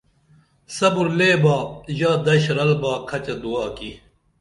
صبُر لے با ژا دش رل با کھچہ دعا کی